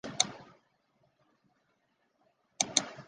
它类似微软的组件对象模型。